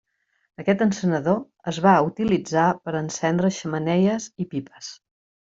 Aquest encenedor es va utilitzar per encendre xemeneies i pipes.